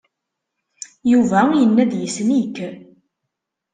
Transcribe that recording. Yuba yenna-d yessen-ik.